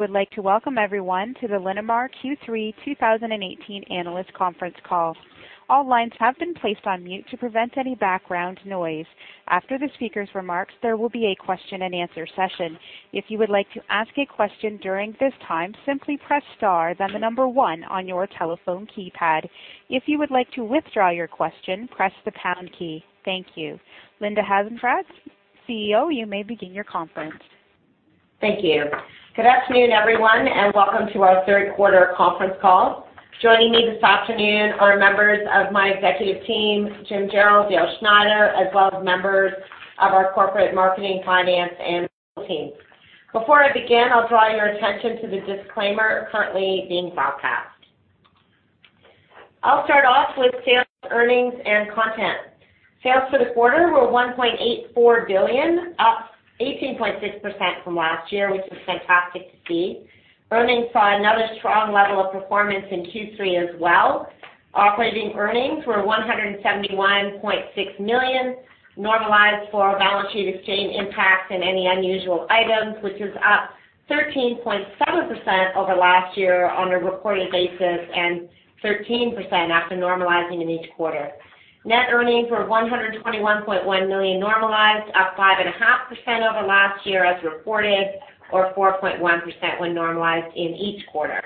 Would like to welcome everyone to the Linamar Q3 2018 analyst conference call. All lines have been placed on mute to prevent any background noise. After the speaker's remarks, there will be a question-and-answer session. If you would like to ask a question during this time, simply press star, then the number one on your telephone keypad. If you would like to withdraw your question, press the pound key. Thank you. Linda Hasenfratz, CEO, you may begin your conference. Thank you. Good afternoon, everyone, and welcome to our third quarter conference call. Joining me this afternoon are members of my executive team, Jim Jarrell, Dale Schneider, as well as members of our corporate marketing, finance, and legal team. Before I begin, I'll draw your attention to the disclaimer currently being broadcast. I'll start off with sales, earnings, and content. Sales for the quarter were 1.84 billion, up 18.6% from last year, which is fantastic to see. Earnings saw another strong level of performance in Q3 as well. Operating earnings were 171.6 million, normalized for our balance sheet exchange impacts and any unusual items, which is up 13.7% over last year on a reported basis and 13% after normalizing in each quarter. Net earnings were 121.1 million normalized, up 5.5% over last year as reported, or 4.1% when normalized in each quarter.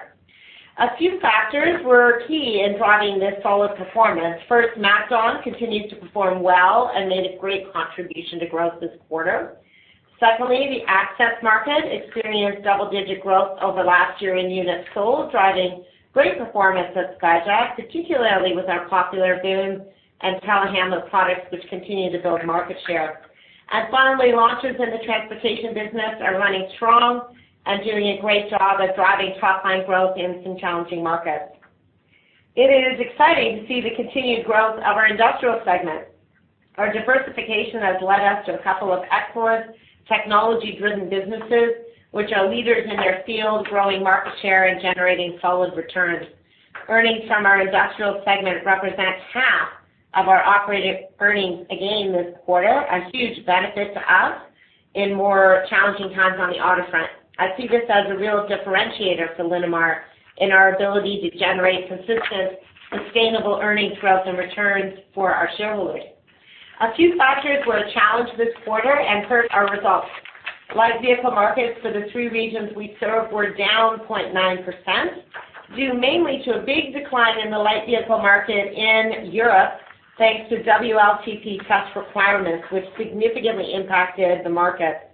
A few factors were key in driving this solid performance. First, MacDon continues to perform well and made a great contribution to growth this quarter. Secondly, the access market experienced double-digit growth over last year in units sold, driving great performance at Skyjack, particularly with our popular Boom and Telehandler products, which continue to build market share. And finally, launches in the transportation business are running strong and doing a great job at driving top-line growth in some challenging markets. It is exciting to see the continued growth of our industrial segment. Our diversification has led us to a couple of excellent technology-driven businesses, which are leaders in their field, growing market share and generating solid returns. Earnings from our industrial segment represent half of our operating earnings again this quarter, a huge benefit to us in more challenging times on the auto front. I see this as a real differentiator for Linamar in our ability to generate consistent, sustainable earnings growth and returns for our shareholders. A few factors were a challenge this quarter and hurt our results. Light vehicle markets for the three regions we serve were down 0.9%, due mainly to a big decline in the light vehicle market in Europe, thanks to WLTP test requirements, which significantly impacted the market.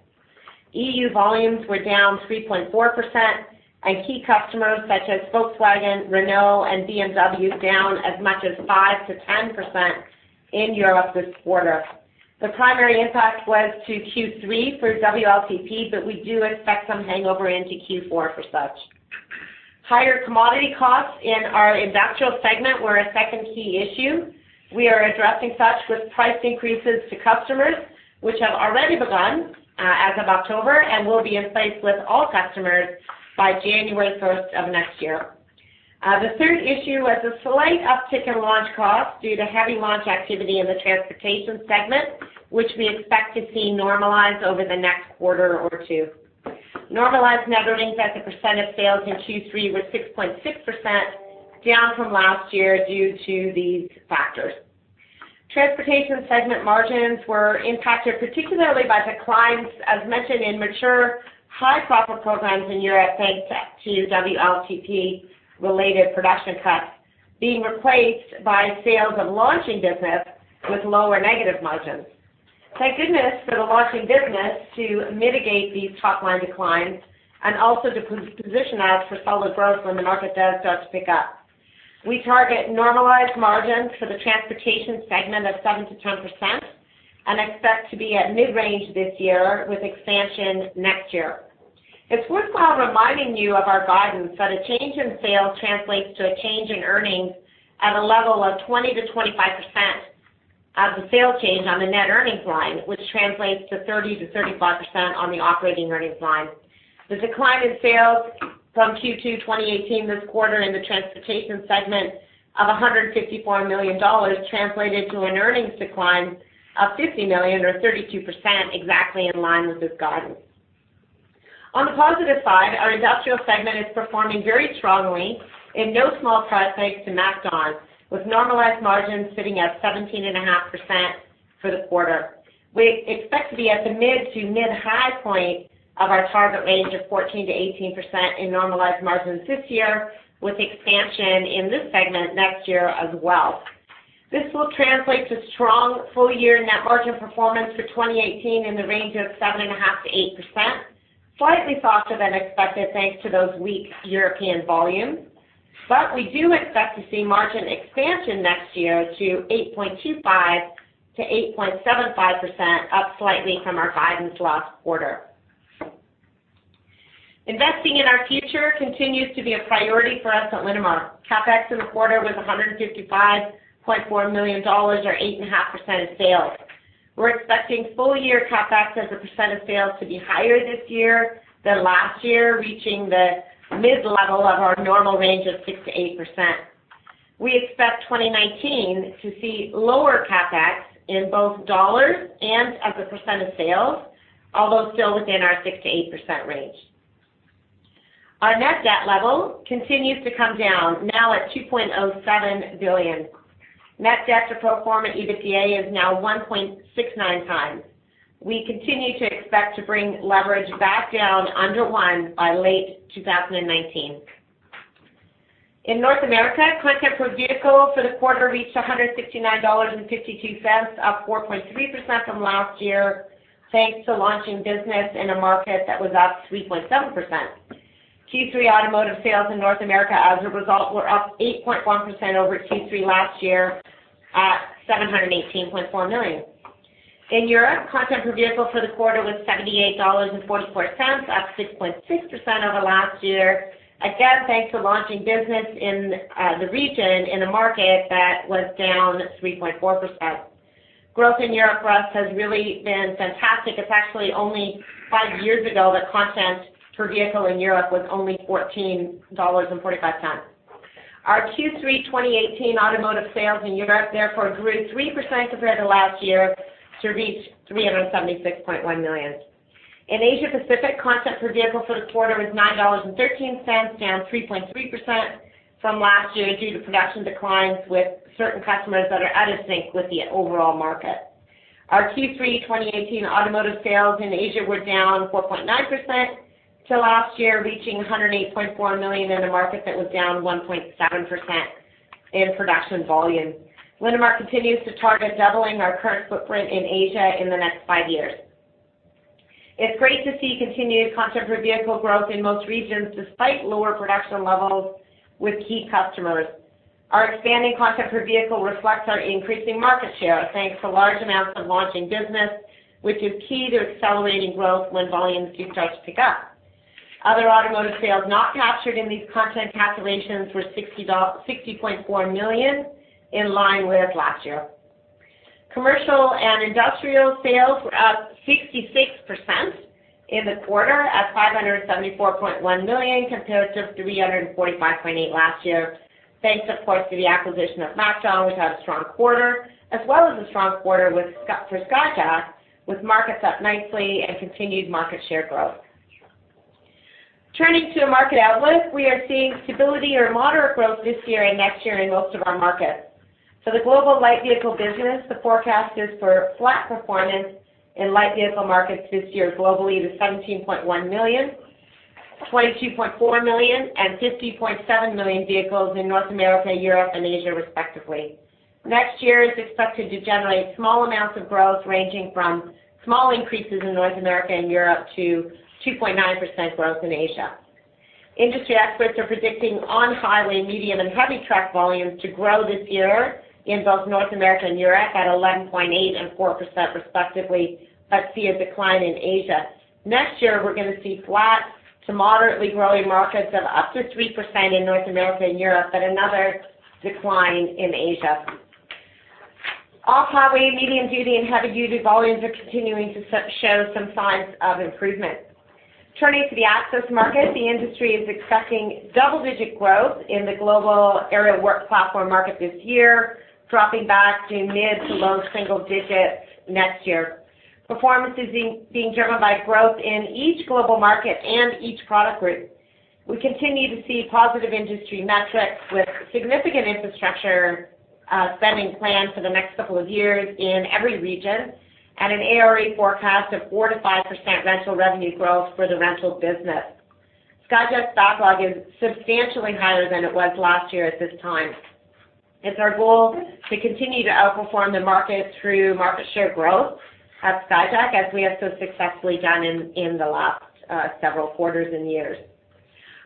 EU volumes were down 3.4%, and key customers such as Volkswagen, Renault, and BMW, down as much as 5%-10% in Europe this quarter. The primary impact was to Q3 for WLTP, but we do expect some hangover into Q4 for such. Higher commodity costs in our industrial segment were a second key issue. We are addressing such with price increases to customers, which have already begun, as of October, and will be in place with all customers by January first of next year. The third issue was a slight uptick in launch costs due to heavy launch activity in the transportation segment, which we expect to see normalize over the next quarter or two. Normalized net earnings as a percent of sales in Q3 were 6.6%, down from last year due to these factors. Transportation segment margins were impacted, particularly by declines, as mentioned in mature, high-profit programs in Europe, thanks to WLTP-related production cuts being replaced by sales of launching business with lower negative margins. Thank goodness for the launching business to mitigate these top-line declines and also to position us for solid growth when the market does start to pick up. We target normalized margins for the transportation segment of 7%-10% and expect to be at mid-range this year with expansion next year. It's worthwhile reminding you of our guidance that a change in sales translates to a change in earnings at a level of 20%-25% of the sales change on the net earnings line, which translates to 30%-35% on the operating earnings line. The decline in sales from Q2 2018 this quarter in the transportation segment of 154 million dollars translated to an earnings decline of 50 million or 32%, exactly in line with this guidance. On the positive side, our industrial segment is performing very strongly in no small part thanks to MacDon, with normalized margins sitting at 17.5% for the quarter. We expect to be at the mid to mid-high point of our target range of 14%-18% in normalized margins this year, with expansion in this segment next year as well. This will translate to strong full-year net margin performance for 2018 in the range of 7.5%-8%, slightly softer than expected, thanks to those weak European volumes. But we do expect to see margin expansion next year to 8.25%-8.75%, up slightly from our guidance last quarter. Investing in our future continues to be a priority for us at Linamar. CapEx in the quarter was 155.4 million dollars, or 8.5% of sales. We're expecting full-year CapEx as a percent of sales to be higher this year than last year, reaching the mid-level of our normal range of 6%-8%. We expect 2019 to see lower CapEx in both dollars and as a percent of sales, although still within our 6%-8% range. Our net debt level continues to come down, now at 2.07 billion. Net debt to pro forma EBITDA is now 1.69 times. We continue to expect to bring leverage back down under one by late 2019. In North America, content per vehicle for the quarter reached 169.52 dollars, up 4.3% from last year, thanks to launching business in a market that was up 3.7%. Q3 automotive sales in North America, as a result, were up 8.1% over Q3 last year at 718.4 million. In Europe, content per vehicle for the quarter was 78.44 dollars, up 6.6% over last year, again, thanks to launching business in, the region, in a market that was down 3.4%. Growth in Europe for us has really been fantastic. It's actually only 5 years ago that content per vehicle in Europe was only 14.45 dollars. Our Q3 2018 automotive sales in Europe, therefore, grew 3% compared to last year to reach 376.1 million. In Asia Pacific, content per vehicle for the quarter was 9.13 dollars, down 3.3% from last year due to production declines with certain customers that are out of sync with the overall market. Our Q3 2018 automotive sales in Asia were down 4.9% to last year, reaching 108.4 million in a market that was down 1.7% in production volume. Linamar continues to target doubling our current footprint in Asia in the next 5 years. It's great to see continued content per vehicle growth in most regions, despite lower production levels with key customers. Our expanding content per vehicle reflects our increasing market share, thanks to large amounts of launching business, which is key to accelerating growth when volumes do start to pick up. Other automotive sales not captured in these content calculations were 60.4 million, in line with last year. Commercial and industrial sales were up 66% in the quarter at 574.1 million, compared to 345.8 million last year, thanks, of course, to the acquisition of MacDon, which had a strong quarter, as well as a strong quarter for Skyjack, with markets up nicely and continued market share growth. Turning to a market outlook, we are seeing stability or moderate growth this year and next year in most of our markets. For the global light vehicle business, the forecast is for flat performance in light vehicle markets this year, globally, to 17.1 million, 22.4 million, and 50.7 million vehicles in North America, Europe, and Asia, respectively. Next year is expected to generate small amounts of growth, ranging from small increases in North America and Europe to 2.9% growth in Asia. Industry experts are predicting on-highway, medium, and heavy truck volumes to grow this year in both North America and Europe at 11.8% and 4%, respectively, but see a decline in Asia. Next year, we're going to see flat to moderately growing markets of up to 3% in North America and Europe, but another decline in Asia. Off-highway, medium-duty, and heavy-duty volumes are continuing to show some signs of improvement. Turning to the access market, the industry is expecting double-digit growth in the global aerial work platform market this year, dropping back to mid- to low-single-digit next year. Performance is being driven by growth in each global market and each product group. We continue to see positive industry metrics, with significant infrastructure spending plans for the next couple of years in every region, at an ARE forecast of 4%-5% rental revenue growth for the rental business. Skyjack's backlog is substantially higher than it was last year at this time. It's our goal to continue to outperform the market through market share growth at Skyjack, as we have so successfully done in the last several quarters and years.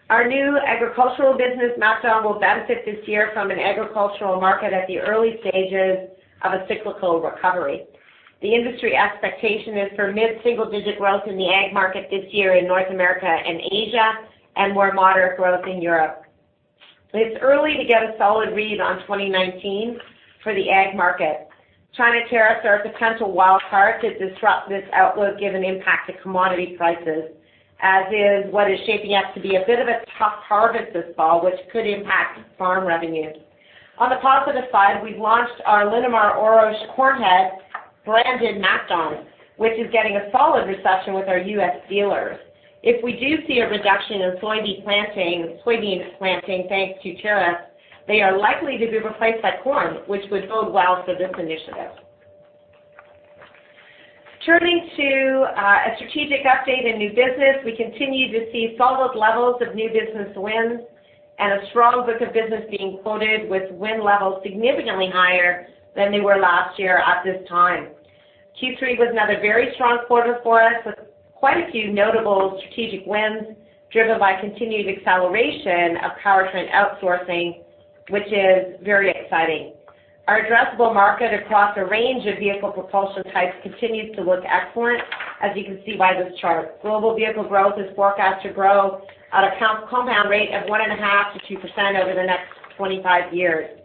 Our new agricultural business, MacDon, will benefit this year from an agricultural market at the early stages of a cyclical recovery. The industry expectation is for mid-single digit growth in the ag market this year in North America and Asia, and more moderate growth in Europe. It's early to get a solid read on 2019 for the ag market. China tariffs are a potential wild card to disrupt this outlook, given the impact to commodity prices, as is what is shaping up to be a bit of a tough harvest this fall, which could impact farm revenue. On the positive side, we've launched our Linamar Oros corn head branded MacDon, which is getting a solid reception with our U.S. dealers. If we do see a reduction in soybean planting, soybean planting, thanks to tariffs, they are likely to be replaced by corn, which would bode well for this initiative. Turning to a strategic update in new business, we continue to see solid levels of new business wins and a strong book of business being quoted with win levels significantly higher than they were last year at this time. Q3 was another very strong quarter for us, with quite a few notable strategic wins, driven by continued acceleration of powertrain outsourcing, which is very exciting. Our addressable market across a range of vehicle propulsion types continues to look excellent, as you can see by this chart. Global vehicle growth is forecast to grow at a compound rate of 1.5%-2% over the next 25 years.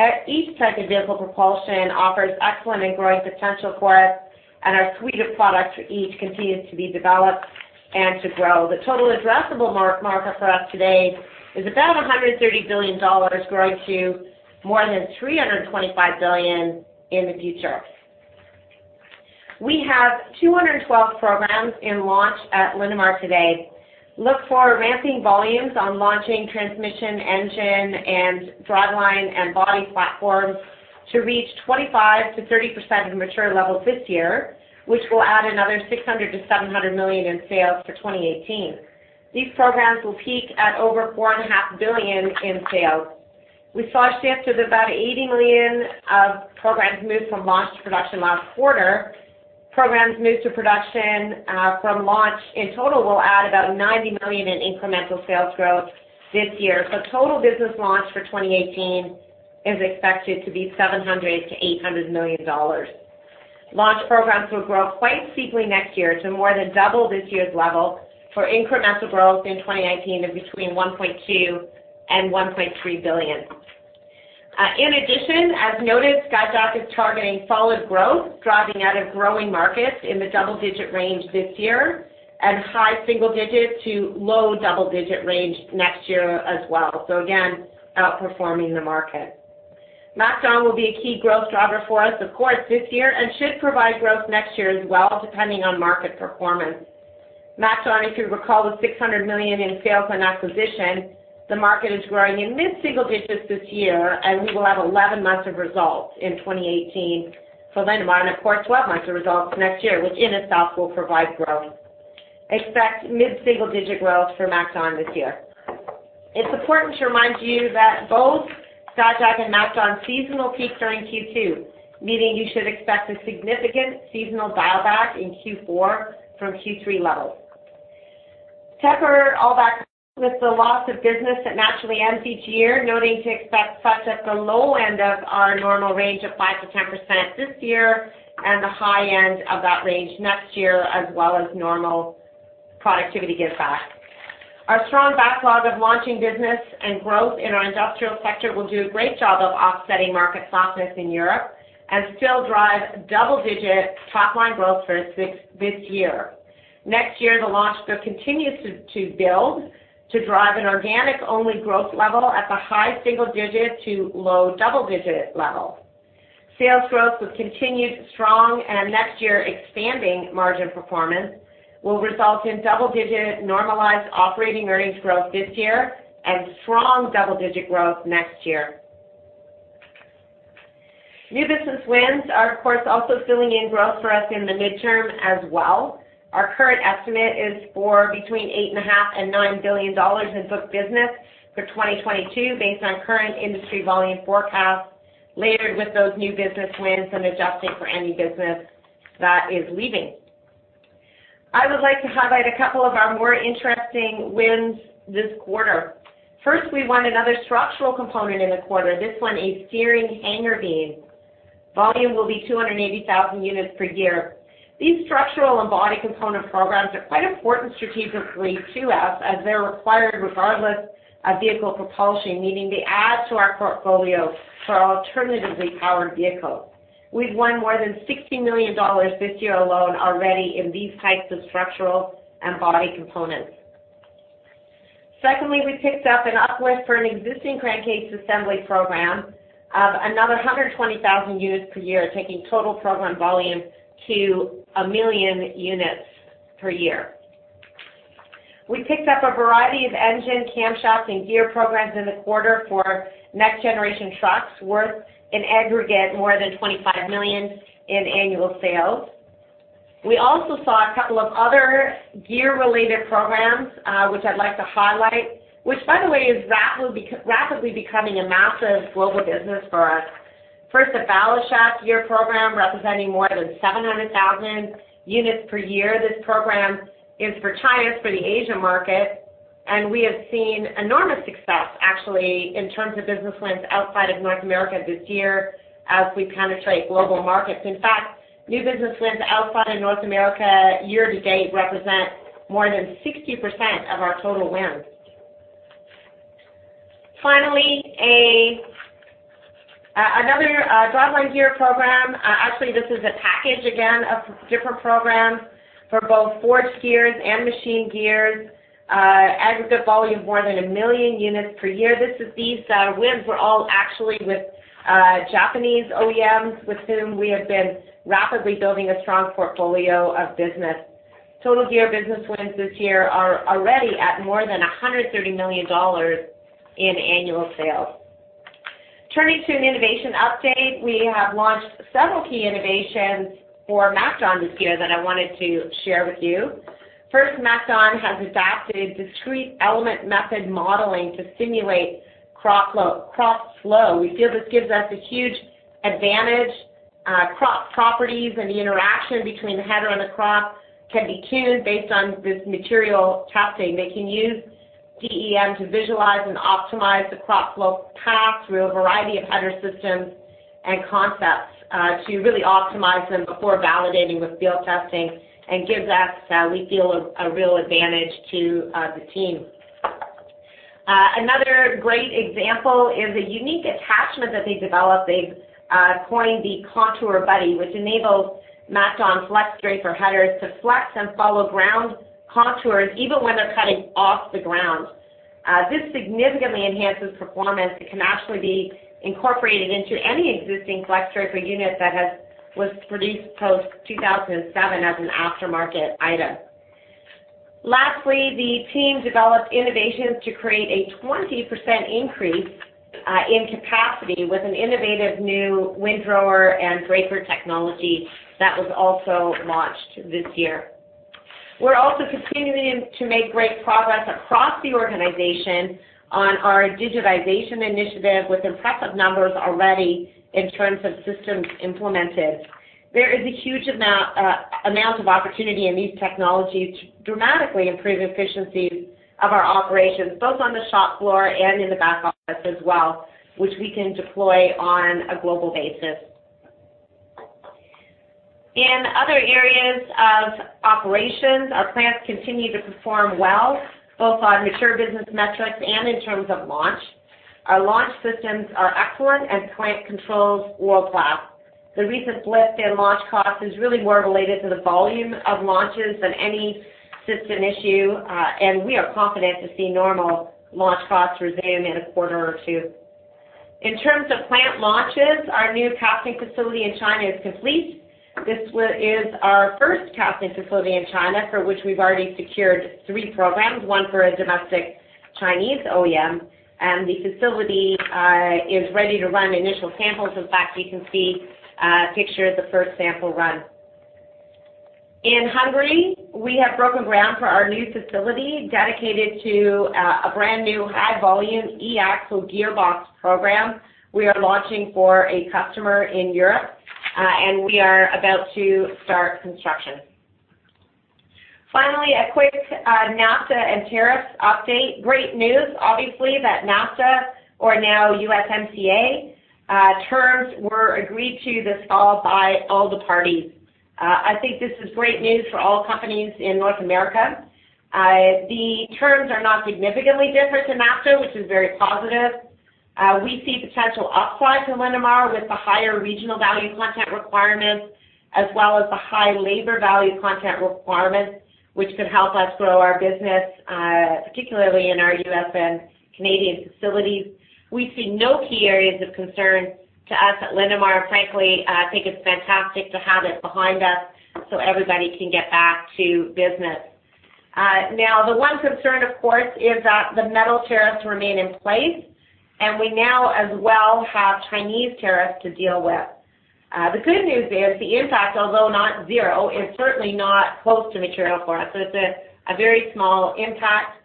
At each type of vehicle propulsion offers excellent and growth potential for us, and our suite of products for each continues to be developed and to grow. The total addressable market for us today is about 130 billion dollars, growing to more than 325 billion in the future. We have 212 programs in launch at Linamar today. Look for ramping volumes on launching transmission, engine, and driveline, and body platforms to reach 25%-30% of mature levels this year, which will add another 600 million-700 million in sales for 2018. These programs will peak at over $4.5 billion in sales. We saw shifts of about 80 million of programs move from launch to production last quarter. Programs moved to production from launch in total will add about 90 million in incremental sales growth this year. So total business launch for 2018 is expected to be 700 million-800 million dollars. Launch programs will grow quite steeply next year to more than double this year's level for incremental growth in 2019 of between 1.2 billion and 1.3 billion. In addition, as noted, Skyjack is targeting solid growth, driving out of growing markets in the double-digit range this year, and high single-digit to low double-digit range next year as well. So again, outperforming the market. MacDon will be a key growth driver for us, of course, this year, and should provide growth next year as well, depending on market performance. MacDon, if you recall, 600 million in sales on acquisition, the market is growing in mid-single digits this year, and we will have 11 months of results in 2018. So then, of course, 12 months of results next year, which in itself will provide growth. Expect mid-single-digit growth for MacDon this year. It's important to remind you that both Skyjack and MacDon seasonal peaks are in Q2, meaning you should expect a significant seasonal dial-back in Q4 from Q3 levels. Temper all that with the loss of business that naturally ends each year, noting to expect us at the low end of our normal range of 5%-10% this year, and the high end of that range next year, as well as normal productivity give back. Our strong backlog of launching business and growth in our industrial sector will do a great job of offsetting market softness in Europe and still drive double-digit top-line growth for this, this year. Next year, the launch book continues to, to build, to drive an organic-only growth level at the high single digit to low double-digit level. Sales growth with continued strong and next year, expanding margin performance, will result in double-digit normalized operating earnings growth this year and strong double-digit growth next year. New business wins are, of course, also filling in growth for us in the midterm as well. Our current estimate is for between 8.5 billion and 9 billion dollars in booked business for 2022, based on current industry volume forecast, layered with those new business wins and adjusting for any business that is leaving. I would like to highlight a couple of our more interesting wins this quarter. First, we won another structural component in the quarter, this one, a steering hanger beam. Volume will be 280,000 units per year. These structural and body component programs are quite important strategically to us, as they're required regardless of vehicle propulsion, meaning they add to our portfolio for alternatively powered vehicles. We've won more than 60 million dollars this year alone already in these types of structural and body components. Secondly, we picked up an uplift for an existing crankcase assembly program of another 120,000 units per year, taking total program volume to 1,000,000 units per year. We picked up a variety of engine, camshaft, and gear programs in the quarter for next-generation trucks, worth in aggregate more than 25 million in annual sales. We also saw a couple of other gear-related programs, which I'd like to highlight, which, by the way, is rapidly becoming a massive global business for us. First, a balance shaft gear program representing more than 700,000 units per year. This program is for China, it's for the Asia market, and we have seen enormous success, actually, in terms of business wins outside of North America this year as we penetrate global markets. In fact, new business wins outside of North America, year to date, represent more than 60% of our total wins. Finally, another driveline gear program. Actually, this is a package again of different programs for both forged gears and machine gears. Aggregate volume, more than 1 million units per year. These wins were all actually with Japanese OEMs, with whom we have been rapidly building a strong portfolio of business. Total gear business wins this year are already at more than 130 million dollars in annual sales. Turning to an innovation update, we have launched several key innovations for MacDon this year that I wanted to share with you. First, MacDon has adopted discrete element method modeling to simulate crop flow. We feel this gives us a huge advantage. Crop properties and the interaction between the header and the crop can be tuned based on this material testing. They can use DEM to visualize and optimize the crop flow path through a variety of header systems and concepts to really optimize them before validating with field testing and gives us, we feel, a real advantage to the team. Another great example is a unique attachment that they developed. They've coined the ContourBuddy, which enables MacDon FlexDraper headers to flex and follow ground contours even when they're cutting off the ground. This significantly enhances performance and can actually be incorporated into any existing FlexDraper unit that was produced post-2007 as an aftermarket item. Lastly, the team developed innovations to create a 20% increase in capacity with an innovative new Windrower and draper technology that was also launched this year. We're also continuing to make great progress across the organization on our digitization initiative, with impressive numbers already in terms of systems implemented. There is a huge amount of opportunity in these technologies to dramatically improve efficiencies of our operations, both on the shop floor and in the back office as well, which we can deploy on a global basis. In other areas of operations, our plants continue to perform well, both on mature business metrics and in terms of launch. Our launch systems are excellent, and plant controls, world-class. The recent blip in launch costs is really more related to the volume of launches than any system issue, and we are confident to see normal launch costs resume in a quarter or two. In terms of plant launches, our new casting facility in China is complete. This is our first casting facility in China, for which we've already secured three programs, one for a domestic Chinese OEM, and the facility is ready to run initial samples. In fact, you can see a picture of the first sample run. In Hungary, we have broken ground for our new facility, dedicated to a brand-new high-volume e-axle gearbox program we are launching for a customer in Europe, and we are about to start construction. Finally, a quick NAFTA and tariffs update. Great news, obviously, that NAFTA, or now USMCA, terms were agreed to this fall by all the parties. I think this is great news for all companies in North America. The terms are not significantly different to NAFTA, which is very positive. We see potential upsides in Linamar with the higher regional value content requirements, as well as the high labor value content requirements, which could help us grow our business, particularly in our US and Canadian facilities. We see no key areas of concern to us at Linamar. Frankly, I think it's fantastic to have it behind us so everybody can get back to business. Now, the one concern, of course, is that the metal tariffs remain in place, and we now as well have Chinese tariffs to deal with. The good news is the impact, although not zero, is certainly not close to material for us. So it's a, a very small impact.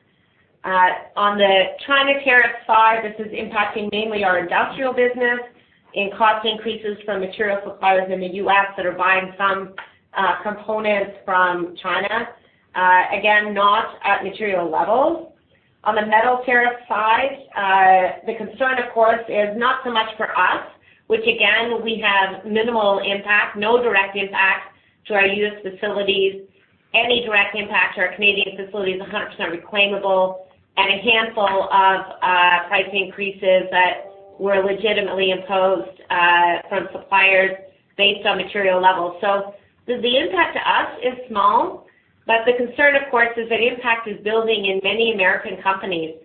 On the China tariff side, this is impacting mainly our industrial business in cost increases from material suppliers in the U.S. that are buying some components from China. Again, not at material levels. On the metal tariff side, the concern, of course, is not so much for us, which, again, we have minimal impact, no direct impact to our U.S. facilities. Any direct impact to our Canadian facilities is 100% reclaimable and a handful of price increases that were legitimately imposed from suppliers based on material levels. So the impact to us is small, but the concern, of course, is that impact is building in many American companies,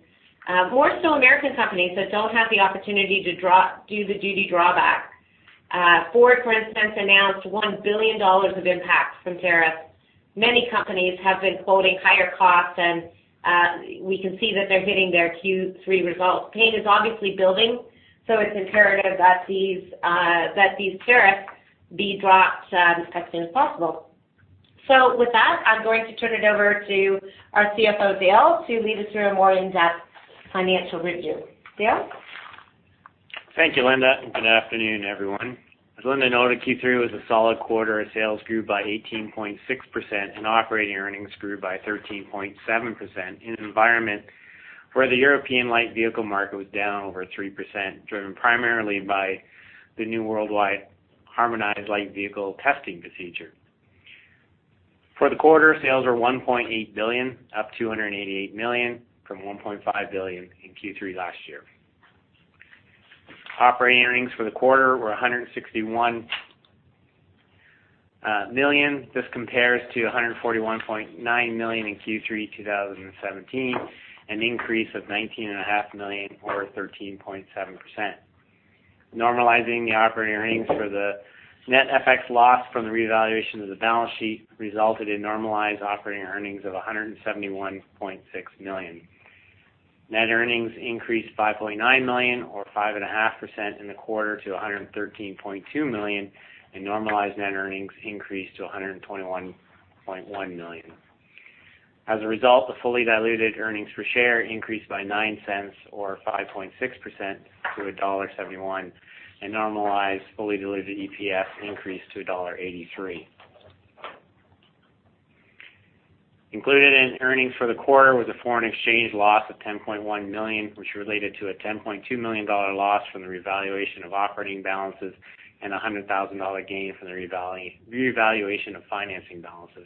more so American companies that don't have the opportunity to do the Duty Drawback. Ford, for instance, announced $1 billion of impact from tariffs. Many companies have been quoting higher costs, and we can see that they're hitting their Q3 results. Pain is obviously building, so it's imperative that these tariffs be dropped as soon as possible. So with that, I'm going to turn it over to our CFO, Dale, to lead us through a more in-depth financial review. Dale? Thank you, Linda, and Good afternoon, everyone. As Linda noted, Q3 was a solid quarter. Our sales grew by 18.6%, and operating earnings grew by 13.7% in an environment where the European light vehicle market was down over 3%, driven primarily by the new Worldwide Harmonized Light Vehicle Test Procedure. For the quarter, sales were 1.8 billion, up 288 million from 1.5 billion in Q3 last year. Operating earnings for the quarter were 161 million. This compares to 141.9 million in Q3 2017, an increase of 19.5 million or 13.7%. Normalizing the operating earnings for the net FX loss from the revaluation of the balance sheet resulted in normalized operating earnings of 171.6 million. Net earnings increased by 0.9 million, or 5.5% in the quarter to 113.2 million, and normalized net earnings increased to 121.1 million. As a result, the fully diluted earnings per share increased by 0.09 or 5.6% to dollar 1.71, and normalized fully diluted EPS increased to CAD 1.83. Included in earnings for the quarter was a foreign exchange loss of 10.1 million, which related to a 10.2 million dollar loss from the revaluation of operating balances and a 100,000 dollar gain from the revaluation of financing balances.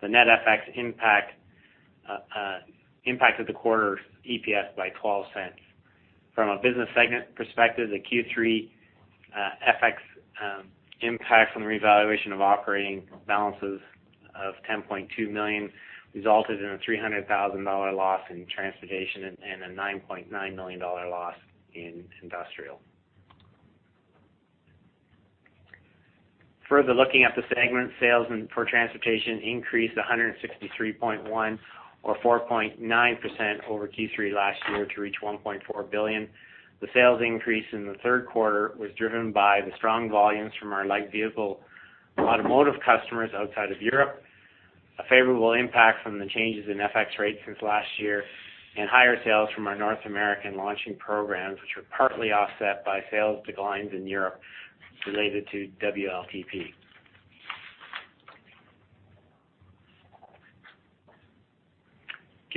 The net FX impact impacted the quarter's EPS by 0.12. From a business segment perspective, the Q3 FX impact from the revaluation of operating balances of 10.2 million resulted in a 300,000 dollar loss in transportation and a 9.9 million dollar loss in industrial. Further looking at the segment, sales and for transportation increased 163.1 or 4.9% over Q3 last year to reach 1.4 billion. The sales increase in the third quarter was driven by the strong volumes from our light vehicle automotive customers outside of Europe, a favorable impact from the changes in FX rates since last year, and higher sales from our North American launching programs, which were partly offset by sales declines in Europe related to WLTP.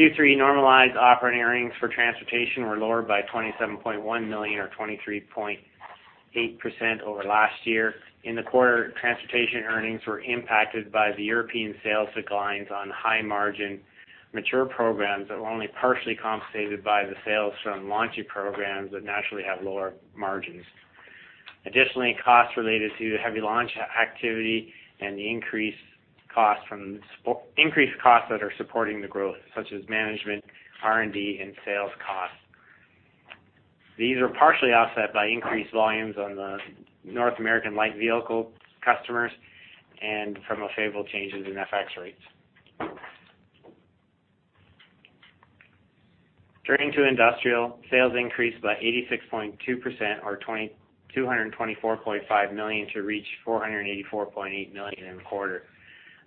Q3 normalized operating earnings for transportation were lower by 27.1 million or 23.8% over last year. In the quarter, transportation earnings were impacted by the European sales declines on high margin mature programs that were only partially compensated by the sales from launching programs that naturally have lower margins. Additionally, costs related to the heavy launch activity and the increased costs from increased costs that are supporting the growth, such as management, R&D, and sales costs. These are partially offset by increased volumes on the North American light vehicle customers and from a favorable changes in FX rates. Turning to industrial, sales increased by 86.2% or 224.5 million to reach 484.8 million in the quarter.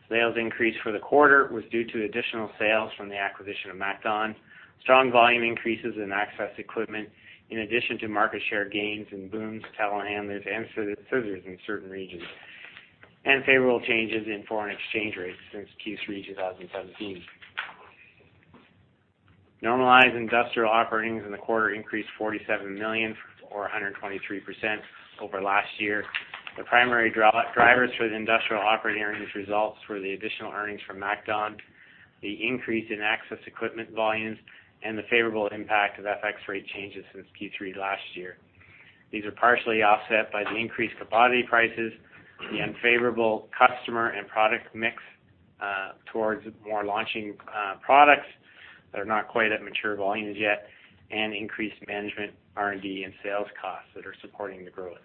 Sales increase for the quarter was due to additional sales from the acquisition of MacDon, strong volume increases in access equipment, in addition to market share gains in booms, telehandlers, and scissors in certain regions, and favorable changes in foreign exchange rates since Q3, 2017. Normalized industrial operating in the quarter increased 47 million or 123% over last year. The primary drivers for the industrial operating earnings results were the additional earnings from MacDon, the increase in access equipment volumes, and the favorable impact of FX rate changes since Q3 last year. These are partially offset by the increased commodity prices, the unfavorable customer and product mix, towards more launching, products that are not quite at mature volumes yet, and increased management, R&D, and sales costs that are supporting the growth.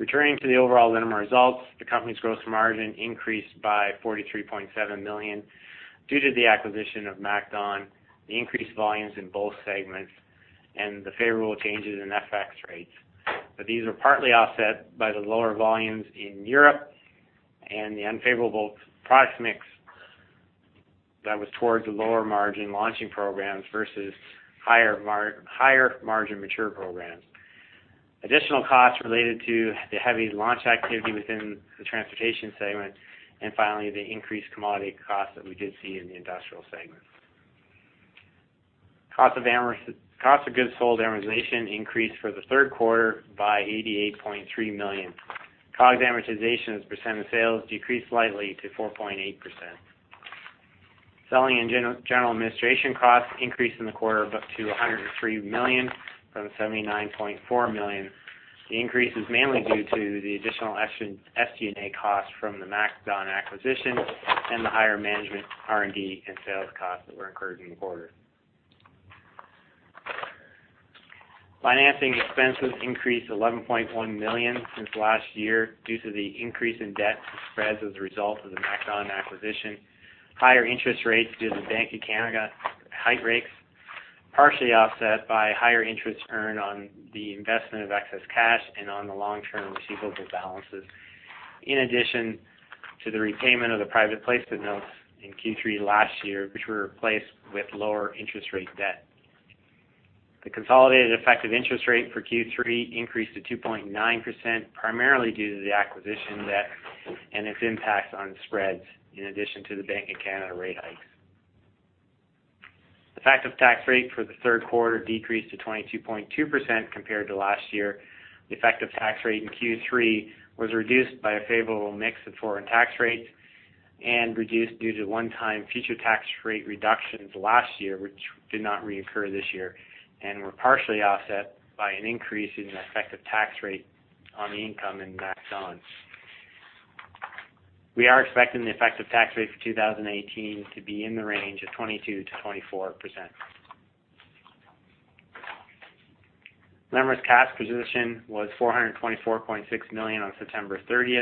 Returning to the overall Linamar results, the company's gross margin increased by 43.7 million due to the acquisition of MacDon, the increased volumes in both segments, and the favorable changes in FX rates. But these were partly offset by the lower volumes in Europe and the unfavorable product mix that was towards the lower margin launching programs versus higher margin mature programs. Additional costs related to the heavy launch activity within the transportation segment, and finally, the increased commodity costs that we did see in the industrial segment. Cost of goods sold amortization increased for the third quarter by 88.3 million. COG amortization as a percent of sales decreased slightly to 4.8%. Selling and general administration costs increased in the quarter up to 103 million from 79.4 million. The increase is mainly due to the additional SG&A costs from the MacDon acquisition and the higher management, R&D, and sales costs that were incurred in the quarter. Financing expenses increased 11.1 million since last year due to the increase in debt spreads as a result of the MacDon acquisition. Higher interest rates due to the Bank of Canada hike rates, partially offset by higher interest earned on the investment of excess cash and on the long-term receivable balances, in addition to the repayment of the private placement notes in Q3 last year, which were replaced with lower interest rate debt. The consolidated effective interest rate for Q3 increased to 2.9%, primarily due to the acquisition debt and its impact on spreads, in addition to the Bank of Canada rate hikes. The effective tax rate for the third quarter decreased to 22.2% compared to last year. The effective tax rate in Q3 was reduced by a favorable mix of foreign tax rates and reduced due to one-time future tax rate reductions last year, which did not reoccur this year and were partially offset by an increase in the effective tax rate on the income in MacDon. We are expecting the effective tax rate for 2018 to be in the range of 22%-24%. Linamar's cash position was 424.6 million on September 30,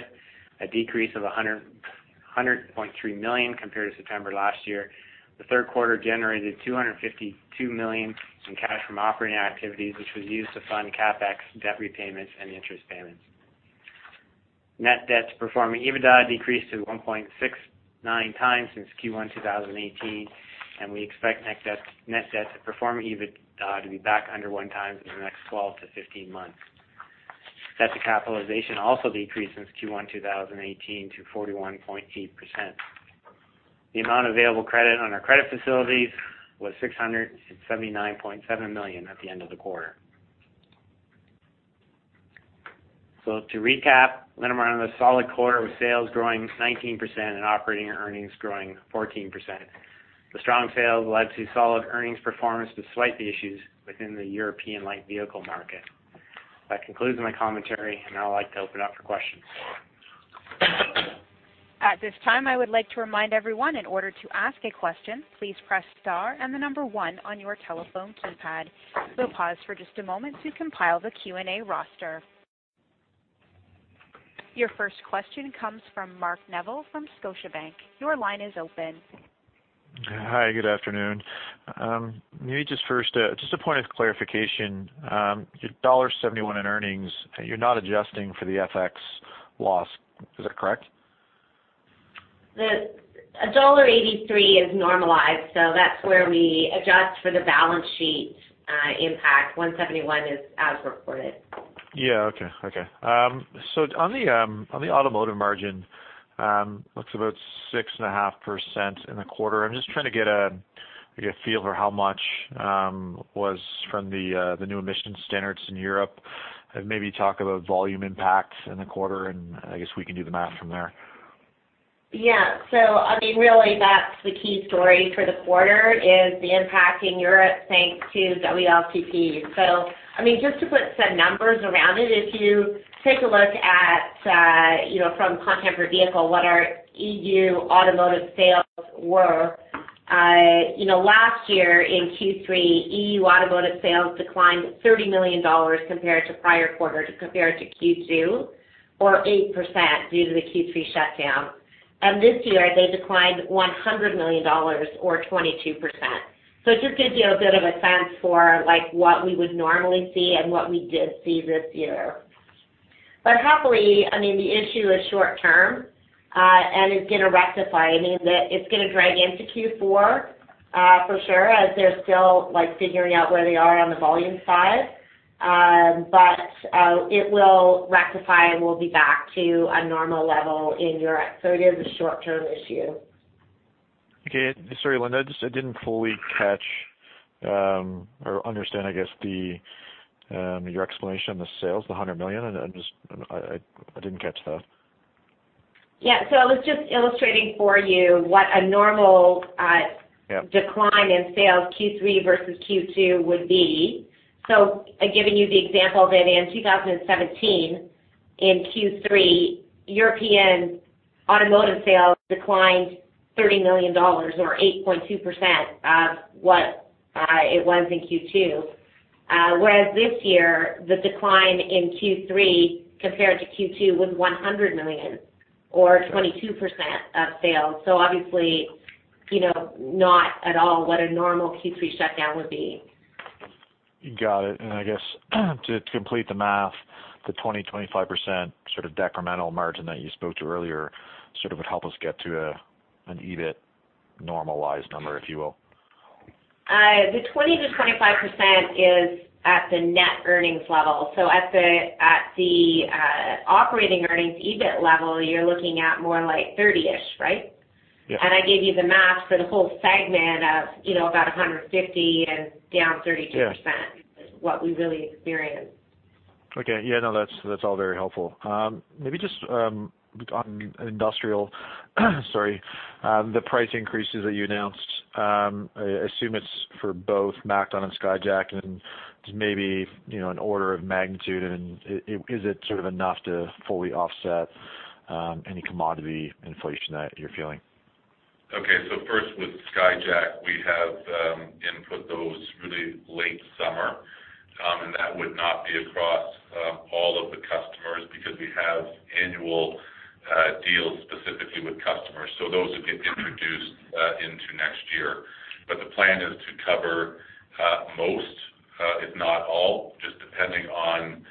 a decrease of 100.3 million compared to September last year. The third quarter generated 252 million in cash from operating activities, which was used to fund CapEx, debt repayments, and interest payments. Net debt to performing EBITDA decreased to 1.6, 9x since Q1 2018, and we expect net debt to EBITDA to be back under 1x in the next 12-15 months. Debt to capitalization also decreased since Q1 2018, to 41.8%. The amount of available credit on our credit facilities was 679.7 million at the end of the quarter. So to recap, Linamar had a solid quarter, with sales growing 19% and operating earnings growing 14%. The strong sales led to solid earnings performance, despite the issues within the European light vehicle market. That concludes my commentary, and I'd like to open up for questions. At this time, I would like to remind everyone, in order to ask a question, please press star and the number one on your telephone keypad. We'll pause for just a moment to compile the Q&A roster. Your first question comes from Mark Neville from Scotiabank. Your line is open. Hi, Good afternoon. Maybe just first, just a point of clarification. Your 71 dollar in earnings, you're not adjusting for the FX loss, is that correct? A $1.83 is normalized, so that's where we adjust for the balance sheet impact. $1.71 is as reported. Yeah, okay, okay. On the automotive margin, looks about 6.5% in the quarter. I'm just trying to get a feel for how much was from the new emissions standards in Europe, and maybe talk about volume impact in the quarter, and I guess we can do the math from there. Yeah. So I mean, really, that's the key story for the quarter is the impact in Europe, thanks to WLTP. So, I mean, just to put some numbers around it, if you take a look at, you know, from content per vehicle, what our EU automotive sales were, you know, last year in Q3, EU automotive sales declined 30 million dollars compared to prior quarter, compared to Q2, or 8% due to the Q3 shutdown. And this year, they declined 100 million dollars or 22%. So it just gives you a bit of a sense for, like, what we would normally see and what we did see this year. But happily, I mean, the issue is short term, and it's gonna rectify. I mean, it's gonna drag into Q4, for sure, as they're still, like, figuring out where they are on the volume side. But, it will rectify, and we'll be back to a normal level in Europe. So it is a short-term issue. Okay. Sorry, Linda, I just, I didn't fully catch or understand, I guess, the your explanation on the sales, the 100 million, and I'm just, I didn't catch that. Yeah. So I was just illustrating for you what a normal Yeah Decline in sales Q3 versus Q2 would be. So giving you the example that in 2017, in Q3, European automotive sales declined $30 million, or 8.2% of what, it was in Q2. Whereas this year, the decline in Q3 compared to Q2 was $100 million or 22% of sales. So obviously, you know, not at all what a normal Q3 shutdown would be. Got it. I guess, to complete the math, the 25% sort of decremental margin that you spoke to earlier, sort of would help us get to an EBIT normalized number, if you will. The 20%-25% is at the net earnings level. So at the operating earnings EBIT level, you're looking at more like 30-ish%, right? Yeah. And I gave you the math for the whole segment of, you know, about 150 and down 32%. Yeah What we really experienced. Okay. Yeah, no, that's all very helpful. Maybe just on industrial, sorry, the price increases that you announced. I assume it's for both MacDon and Skyjack, and just maybe, you know, an order of magnitude, and is it sort of enough to fully offset any commodity inflation that you're feeling? Okay. So first, with Skyjack, we have input those really late summer, and that would not be across all of the customers because we have annual deals specifically with customers. So those would get introduced into next year. But the plan is to cover most, if not all, just depending on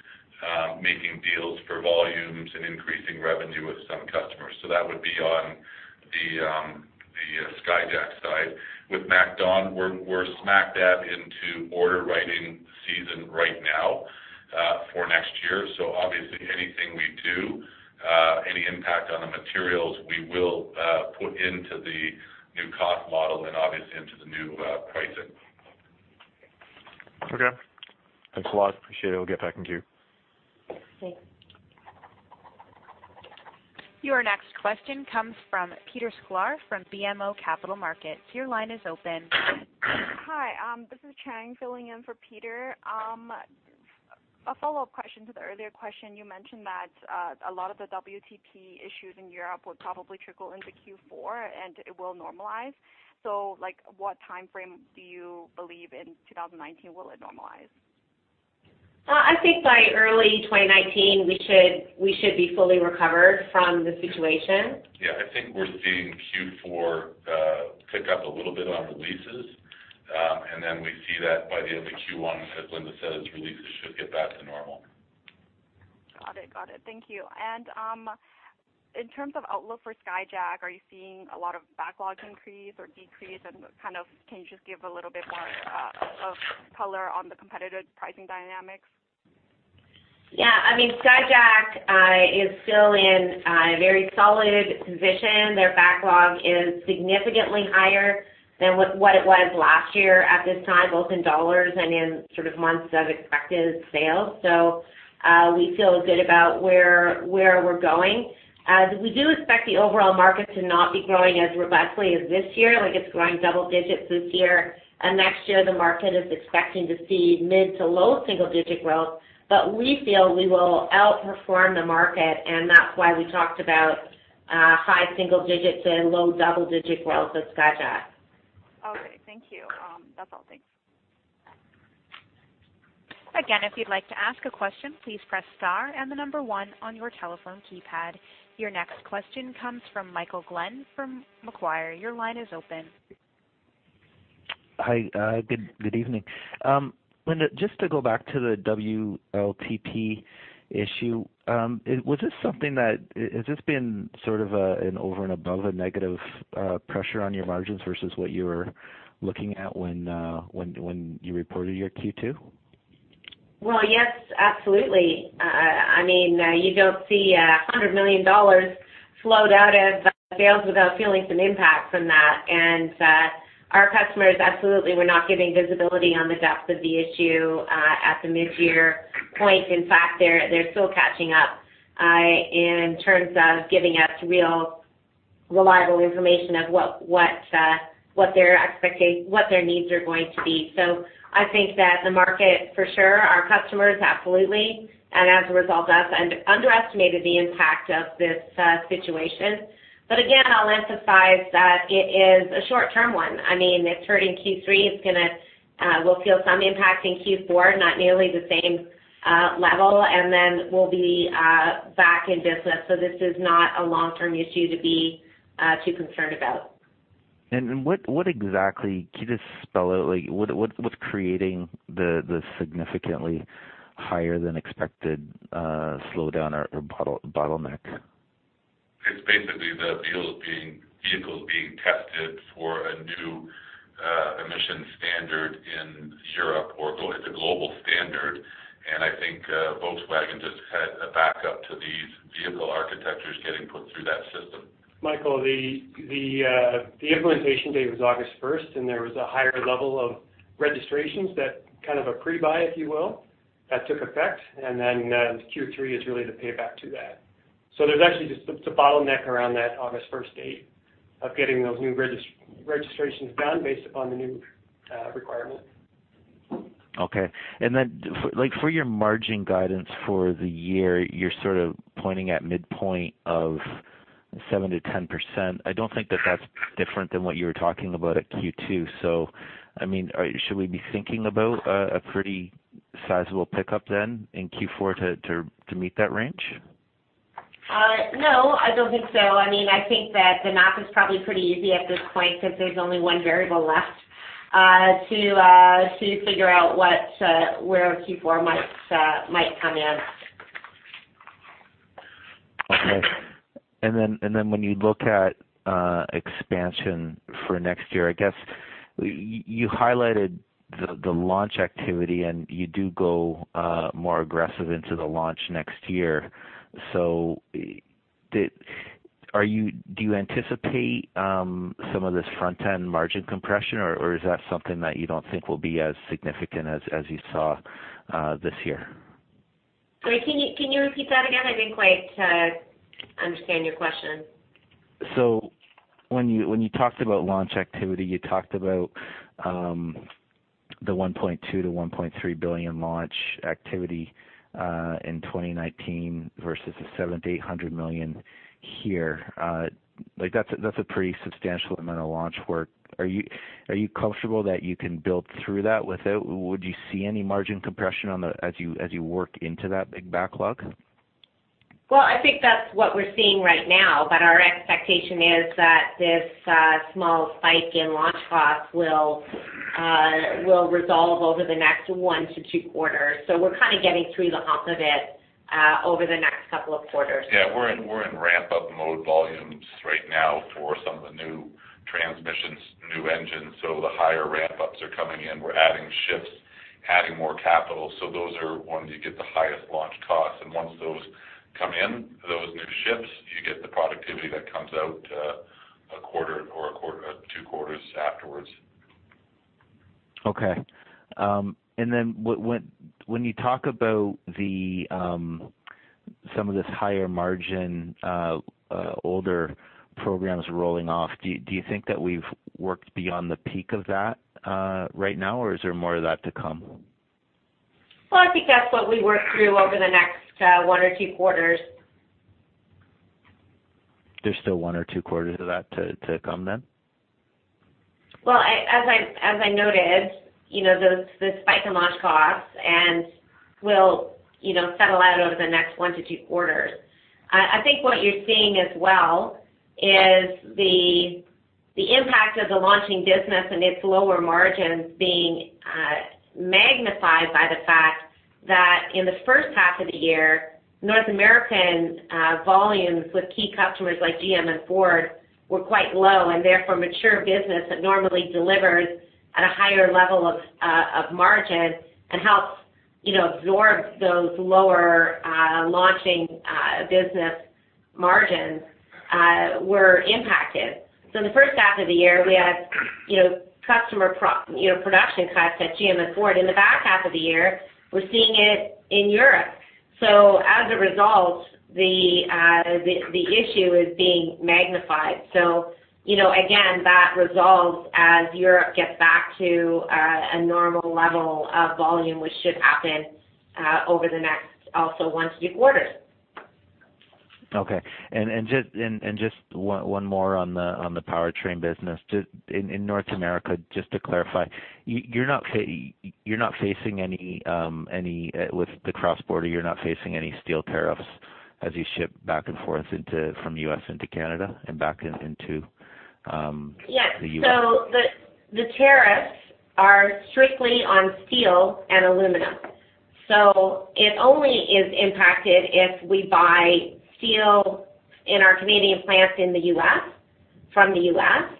making deals for volumes and increasing revenue with some customers. So that would be on the Skyjack side. With MacDon, we're smack dab into order-writing season right now for next year. So obviously, anything we do, any impact on the materials, we will put into the new cost model and obviously into the new pricing. Okay. Thanks a lot. Appreciate it. We'll get back in queue. Thanks. Your next question comes from Peter Sklar from BMO Capital Markets. Your line is open. Hi, this is Chang filling in for Peter. A follow-up question to the earlier question. You mentioned that, a lot of the WLTP issues in Europe would probably trickle into Q4, and it will normalize. So, like, what timeframe do you believe in 2019, will it normalize? I think by early 2019, we should be fully recovered from the situation. Yeah, I think we're seeing Q4 pick up a little bit on releases, and then we see that by the end of Q1, as Linda said, releases should get back to normal. Got it, got it. Thank you. And, in terms of outlook for Skyjack, are you seeing a lot of backlog increase or decrease? And kind of, can you just give a little bit more of color on the competitive pricing dynamics? Yeah, I mean, Skyjack is still in a very solid position. Their backlog is significantly higher than what it was last year at this time, both in dollars and in sort of months of expected sales. So, we feel good about where we're going. We do expect the overall market to not be growing as robustly as this year, like, it's growing double digits this year. And next year, the market is expecting to see mid to low single digit growth, but we feel we will outperform the market, and that's why we talked about high single digits and low double-digit growth of Skyjack. Okay, thank you. That's all. Thanks. Again, if you'd like to ask a question, please press star and the number one on your telephone keypad. Your next question comes from Michael Glenn from Macquarie. Your line is open. Hi, Good evening. Linda, just to go back to the WLTP issue, has this been sort of an over and above negative pressure on your margins versus what you were looking at when you reported your Q2? Well, yes, absolutely. I mean, you don't see 100 million dollars slowed out of sales without feeling some impact from that. And, our customers absolutely were not giving visibility on the depth of the issue, at the mid-year point. In fact, they're still catching up, in terms of giving us real reliable information of what their needs are going to be. So I think that the market, for sure, our customers, absolutely, and as a result, us, underestimated the impact of this, situation. But again, I'll emphasize that it is a short-term one. I mean, it's hurting Q3. It's gonna, we'll feel some impact in Q4, not nearly the same level, and then we'll be back in business. So this is not a long-term issue to be too concerned about. What exactly can you just spell out, like, what's creating the significantly higher than expected slowdown or bottleneck? It's basically the vehicles being tested for a new emission standard in Europe, or well, it's a global standard. I think Volkswagen just had a backup to these vehicle architectures getting put through that system. Michael, the implementation date was August first, and there was a higher level of registrations that kind of a pre-buy, if you will, that took effect, and then Q3 is really the payback to that. So there's actually just it's a bottleneck around that August first date of getting those new registrations done based upon the new requirement. Okay. And then, like, for your margin guidance for the year, you're sort of pointing at midpoint of 7%-10%. I don't think that that's different than what you were talking about at Q2. So, I mean, should we be thinking about a pretty sizable pickup then in Q4 to meet that range? No, I don't think so. I mean, I think that the math is probably pretty easy at this point because there's only one variable left to figure out where Q4 might come in. Okay. And then when you look at expansion for next year, I guess you highlighted the launch activity, and you do go more aggressive into the launch next year. So do you anticipate some of this front-end margin compression, or is that something that you don't think will be as significant as you saw this year? Sorry, can you, can you repeat that again? I didn't quite understand your question. So when you talked about launch activity, you talked about the 1.2 billion-1.3 billion launch activity in 2019 versus the 700 million-800 million here. Like, that's a pretty substantial amount of launch work. Are you comfortable that you can build through that without, would you see any margin compression on the, as you work into that big backlog? Well, I think that's what we're seeing right now, but our expectation is that this small spike in launch costs will resolve over the next 1-2 quarters. So we're kind of getting through the hump of it over the next couple of quarters. Yeah, we're in, we're in ramp-up mode volumes right now for some of the new transmissions, new engines, so the higher ramp-ups are coming in. We're adding shifts, adding more capital, so those are ones you get the highest launch costs. And once those come in, those new shifts, you get the productivity that comes out, a quarter or a quarter-two quarters afterwards. Okay. And then when you talk about the some of this higher margin older programs rolling off, do you think that we've worked beyond the peak of that right now, or is there more of that to come? Well, I think that's what we work through over the next, one or two quarters. There's still one or two quarters of that to, to come then? Well, as I noted, you know, the spike in launch costs and we'll, you know, settle out over the next 1-2 quarters. I think what you're seeing as well is the impact of the launching business and its lower margins being magnified by the fact that in the first half of the year, North American volumes with key customers like GM and Ford were quite low, and therefore mature business that normally delivers at a higher level of margin and helps, you know, absorb those lower launching business margins were impacted. So in the first half of the year, we had, you know, customer production cuts at GM and Ford. In the back half of the year, we're seeing it in Europe. So as a result, the issue is being magnified. So, you know, again, that resolves as Europe gets back to a normal level of volume, which should happen over the next also 1-2 quarters. Okay. And just one more on the powertrain business. Just in North America, just to clarify, you're not facing any with the cross-border, you're not facing any steel tariffs as you ship back and forth from the U.S. into Canada and back into the U.S.? Yes. So the tariffs are strictly on steel and aluminum. So it only is impacted if we buy steel in our Canadian plant in the US, from the US,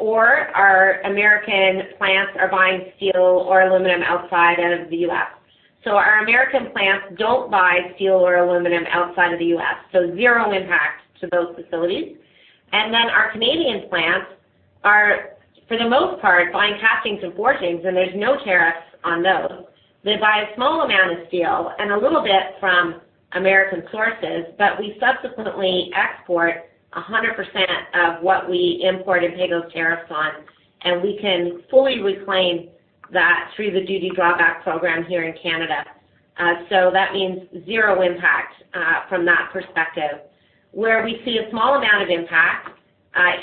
or our American plants are buying steel or aluminum outside of the US. So our American plants don't buy steel or aluminum outside of the US, so zero impact to those facilities. And then our Canadian plants are, for the most part, buying castings and forgings, and there's no tariffs on those. They buy a small amount of steel and a little bit from American sources, but we subsequently export 100% of what we import and pay those tariffs on, and we can fully reclaim that through the Duty Drawback program here in Canada. So that means zero impact from that perspective. Where we see a small amount of impact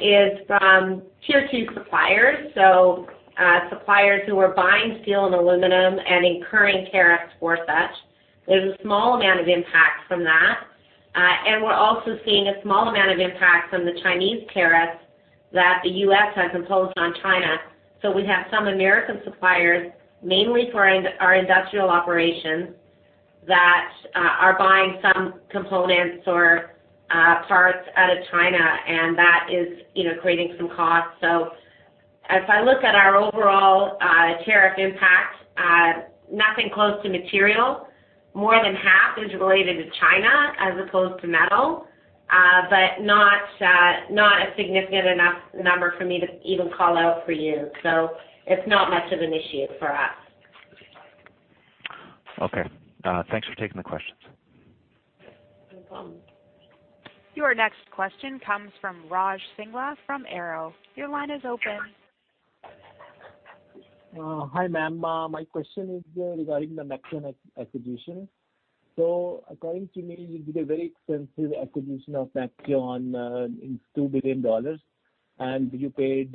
is from tier two suppliers, so suppliers who are buying steel and aluminum and incurring tariffs for such. There's a small amount of impact from that. And we're also seeing a small amount of impact from the Chinese tariffs that the U.S. has imposed on China. So we have some American suppliers, mainly for our, our industrial operations, that are buying some components or parts out of China, and that is, you know, creating some costs. So as I look at our overall tariff impact, nothing close to material. More than half is related to China as opposed to metal, but not a significant enough number for me to even call out for you. So it's not much of an issue for us. Okay. Thanks for taking the questions. No problem. Your next question comes from Raj Singla from Arrow. Your line is open. Hi, ma'am. My question is regarding the MacDon acquisition. So according to me, it was a very expensive acquisition of MacDon in 2 billion dollars, and you paid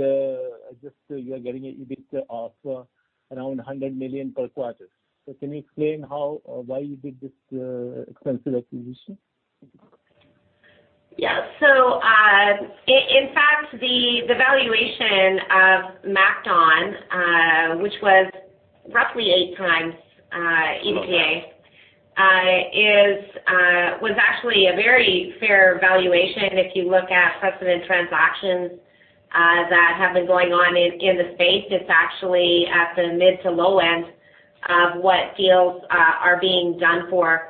just you are getting EBIT of around 100 million per quarter. So can you explain how or why you did this expensive acquisition? Yeah. So, in fact, the valuation of MacDon, which was roughly 8x EBITDA, was actually a very fair valuation. If you look at precedent transactions that have been going on in the space, it's actually at the mid to low end of what deals are being done for.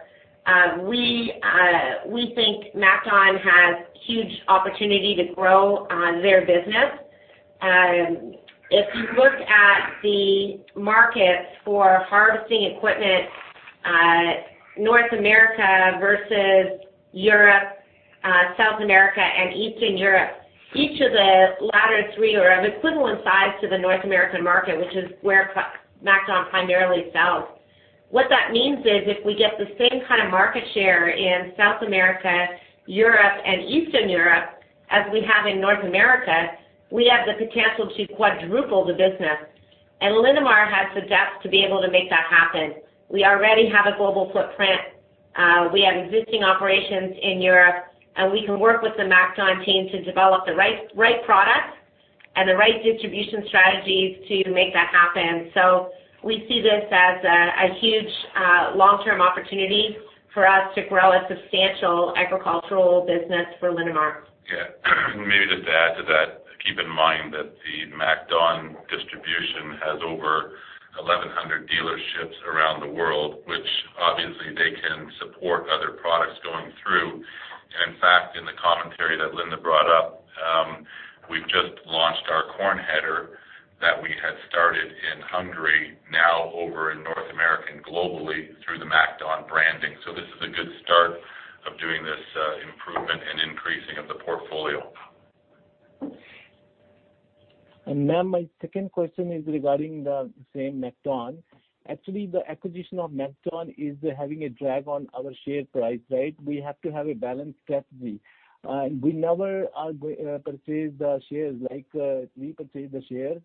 We think MacDon has huge opportunity to grow their business. If you look at the markets for harvesting equipment, North America versus Europe, South America and Eastern Europe, each of the latter three are of equivalent size to the North American market, which is where MacDon primarily sells. What that means is, if we get the same kind of market share in South America, Europe, and Eastern Europe as we have in North America, we have the potential to quadruple the business, and Linamar has the depth to be able to make that happen. We already have a global footprint. We have existing operations in Europe, and we can work with the MacDon team to develop the right, right products and the right distribution strategies to make that happen. So we see this as a, a huge, long-term opportunity for us to grow a substantial agricultural business for Linamar. Yeah. And maybe just to add to that, keep in mind that the MacDon distribution has over 1,100 dealerships around the world, which obviously they can support other products going through. In fact, in the commentary that Linda brought up, we've just launched our corn header that we had started in Hungary, now over in North America and globally through the MacDon branding. So this is a good start of doing this, improvement and increasing of the portfolio. Ma'am, my second question is regarding the same MacDon. Actually, the acquisition of MacDon is having a drag on our share price, right? We have to have a balanced strategy, and we never purchase the shares like we purchase the shares.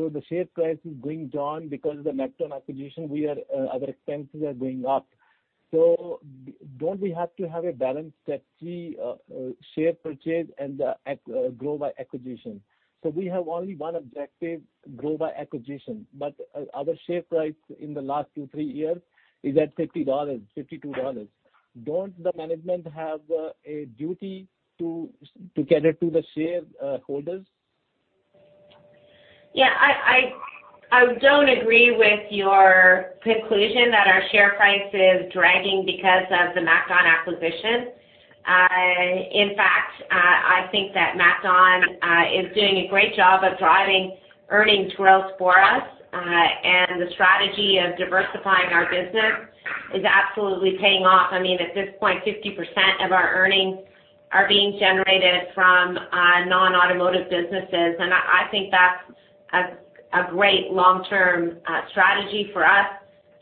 So the share price is going down because of the MacDon acquisition, we are, our expenses are going up. So don't we have to have a balanced strategy of share purchase and grow by acquisition? So we have only one objective, grow by acquisition, but our, our share price in the last two, three years is at 50 dollars, 52 dollars. Don't the management have a duty to, to get it to the shareholders? Yeah, I don't agree with your conclusion that our share price is dragging because of the MacDon acquisition. In fact, I think that MacDon is doing a great job of driving earnings growth for us, and the strategy of diversifying our business is absolutely paying off. I mean, at this point, 50% of our earnings are being generated from non-automotive businesses, and I think that's a great long-term strategy for us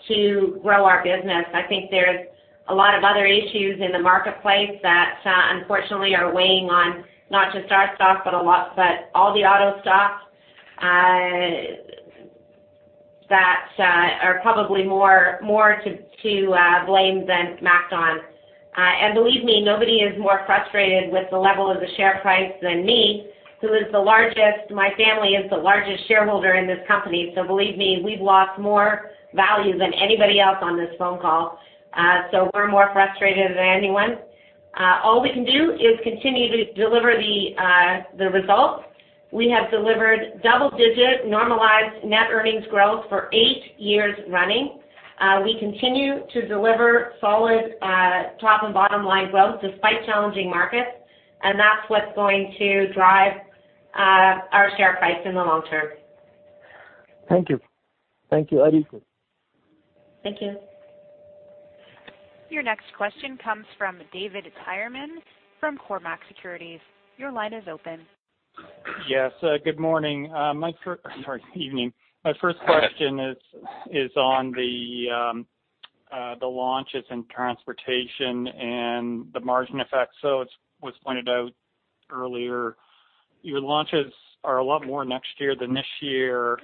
to grow our business. I think there's a lot of other issues in the marketplace that unfortunately are weighing on not just our stock, but a lot- but all the auto stocks that are probably more to blame than MacDon. And believe me, nobody is more frustrated with the level of the share price than me, who is the largest. My family is the largest shareholder in this company, so believe me, we've lost more value than anybody else on this phone call. So we're more frustrated than anyone. All we can do is continue to deliver the results. We have delivered double-digit normalized net earnings growth for eight years running. We continue to deliver solid top and bottom line growth despite challenging markets, and that's what's going to drive our share price in the long term. Thank you. Thank you, Aditi. Thank you. Your next question comes from David Tyerman from Cormark Securities. Your line is open. Yes, Good morning. Sorry, evening. My first question is on the launches in transportation and the margin effect. So it was pointed out earlier, your launches are a lot more next year than this year,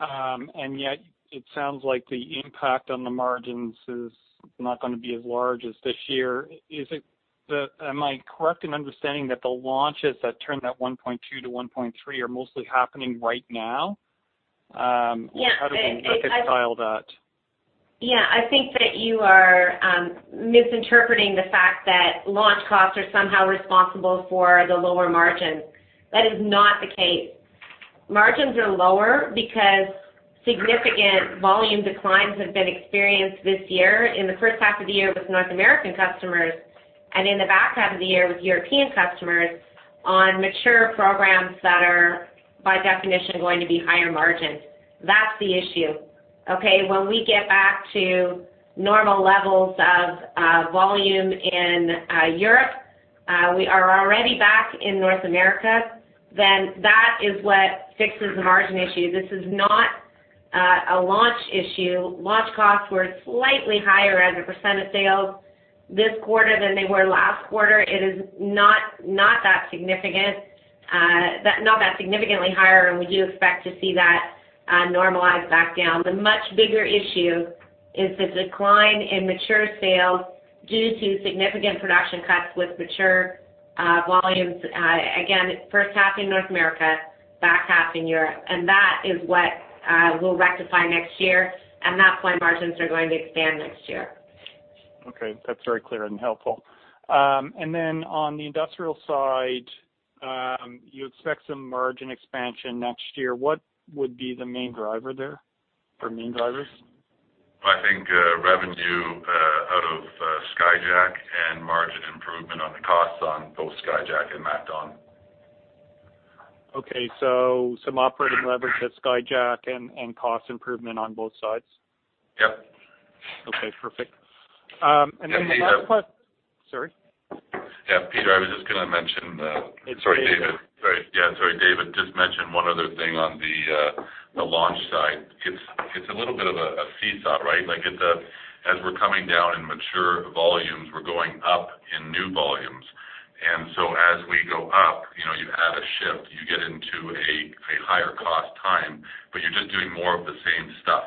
and yet it sounds like the impact on the margins is not gonna be as large as this year. Am I correct in understanding that the launches that turn that 1.2-1.3 are mostly happening right now? How do we reconcile that? Yeah, I think that you are misinterpreting the fact that launch costs are somehow responsible for the lower margins. That is not the case. Margins are lower because significant volume declines have been experienced this year, in the first half of the year with North American customers, and in the back half of the year with European customers, on mature programs that are, by definition, going to be higher margins. That's the issue, okay? When we get back to normal levels of volume in Europe, we are already back in North America, then that is what fixes the margin issue. This is not a launch issue. Launch costs were slightly higher as a % of sales this quarter than they were last quarter. It is not, not that significant, but not that significantly higher, and we do expect to see that, normalize back down. The much bigger issue is the decline in mature sales due to significant production cuts with mature volumes. Again, first half in North America, back half in Europe, and that is what, we'll rectify next year, and that's why margins are going to expand next year. Okay, that's very clear and helpful. And then on the industrial side, you expect some margin expansion next year. What would be the main driver there, or main drivers? I think revenue out of Skyjack and margin improvement on the costs on both Skyjack and MacDon. Okay, so some operating leverage at Skyjack and cost improvement on both sides? Yep. Okay, perfect. And then the last. Yeah, Peter. Sorry? Yeah, Peter, I was just gonna mention. Sorry, David. Sorry. Yeah, sorry, David, just mention one other thing on the launch side. It's a little bit of a seesaw, right? Like, as we're coming down in mature volumes, we're going up in new volumes. And so as we go up, you know, you have a shift, you get into a higher cost time, but you're just doing more of the same stuff.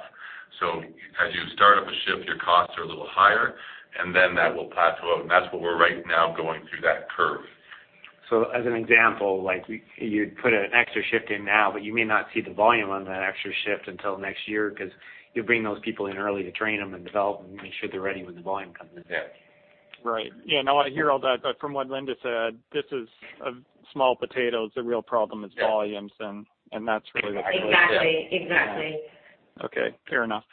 So as you start up a shift, your costs are a little higher, and then that will plateau, and that's what we're right now going through that curve. As an example, like you put an extra shift in now, but you may not see the volume on that extra shift until next year, because you bring those people in early to train them and develop them, make sure they're ready when the volume comes in. Yeah. Right. Yeah, now I hear all that, but from what Linda said, this is a small potato. The real problem is volumes, and that's really the- Exactly. Exactly. Okay, fair enough.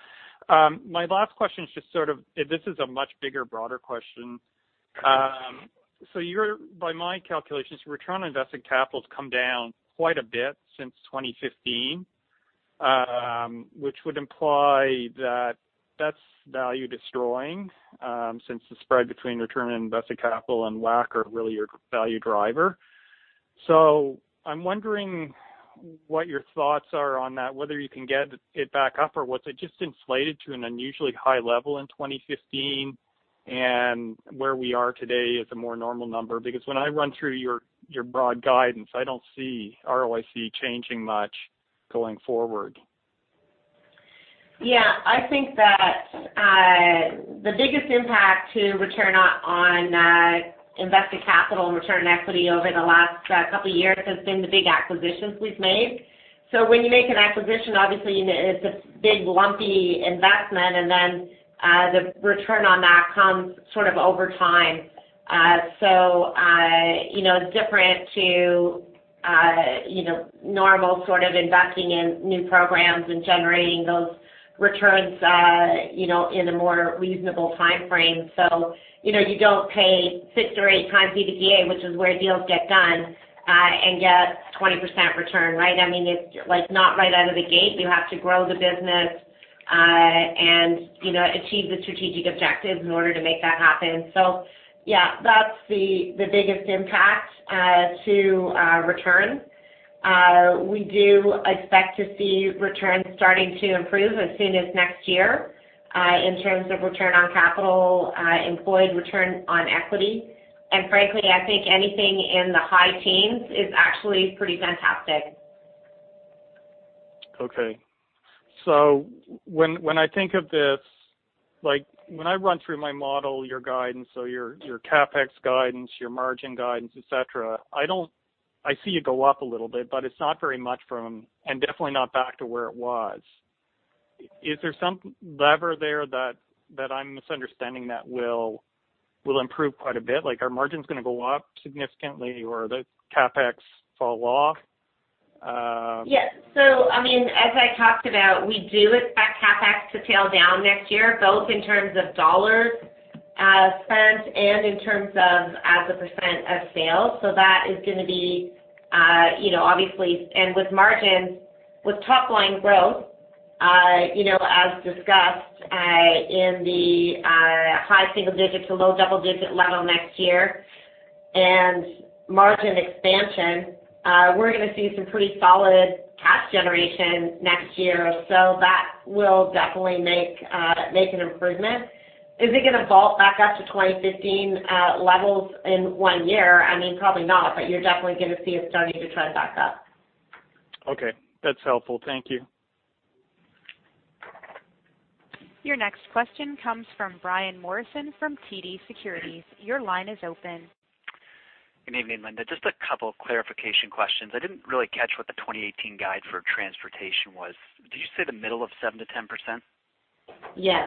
My last question is just sort of, this is a much bigger, broader question. So your, by my calculations, return on invested capital has come down quite a bit since 2015, which would imply that that's value destroying, since the spread between return on invested capital and WACC are really your value driver. So I'm wondering what your thoughts are on that, whether you can get it back up, or was it just inflated to an unusually high level in 2015, and where we are today is a more normal number? Because when I run through your, your broad guidance, I don't see ROIC changing much, going forward? Yeah, I think that, the biggest impact to return on invested capital and return on equity over the last couple of years has been the big acquisitions we've made. So when you make an acquisition, obviously, you know, it's a big, lumpy investment, and then the return on that comes sort of over time. So, you know, different to, you know, normal sort of investing in new programs and generating those returns, you know, in a more reasonable timeframe. So, you know, you don't pay 6x or 8x EBITDA, which is where deals get done, and get 20% return, right? I mean, it's like, not right out of the gate. You have to grow the business, and, you know, achieve the strategic objectives in order to make that happen. So, yeah, that's the biggest impact to return. We do expect to see returns starting to improve as soon as next year, in terms of return on capital employed, return on equity. And frankly, I think anything in the high teens is actually pretty fantastic. Okay. So when I think of this, like, when I run through my model, your guidance, so your CapEx guidance, your margin guidance, et cetera, I don't see it go up a little bit, but it's not very much from, and definitely not back to where it was. Is there some lever there that I'm misunderstanding that will improve quite a bit? Like, are margins gonna go up significantly or the CapEx fall off? Yeah. So I mean, as I talked about, we do expect CapEx to tail down next year, both in terms of dollars spent and in terms of as a % of sales. So that is gonna be, you know, obviously. And with margins, with top line growth, you know, as discussed, in the high single digits to low double-digit level next year, and margin expansion, we're gonna see some pretty solid cash generation next year. So that will definitely make an improvement. Is it gonna vault back up to 2015 levels in one year? I mean, probably not, but you're definitely gonna see it starting to trend back up. Okay, that's helpful. Thank you. Your next question comes from Brian Morrison from TD Securities. Your line is open. Good evening, Linda. Just a couple of clarification questions. I didn't really catch what the 2018 guide for transportation was. Did you say the middle of 7%-10%? Yes.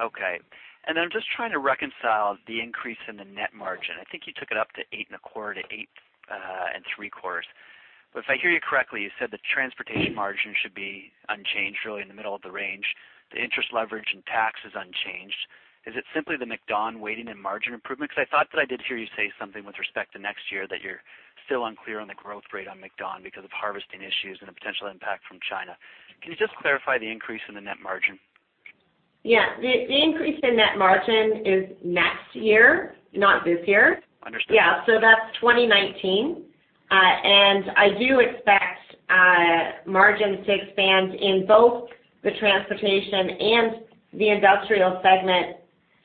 Okay. And then I'm just trying to reconcile the increase in the net margin. I think you took it up to 8.25 to 8.75. But if I hear you correctly, you said the transportation margin should be unchanged, really in the middle of the range. The interest leverage and tax is unchanged. Is it simply the MacDon weighting and margin improvement? Because I thought that I did hear you say something with respect to next year, that you're still unclear on the growth rate on MacDon because of harvesting issues and a potential impact from China. Can you just clarify the increase in the net margin? Yeah. The increase in net margin is next year, not this year. Understood. Yeah. So that's 2019. And I do expect margins to expand in both the transportation and the industrial segment